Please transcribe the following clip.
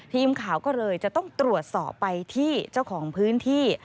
ทีมข่าวก็เลยจะต้องตรวจสอบไปที่เจ้าของพื้นที่